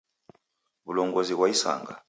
W'ulongozi ghwa isanga.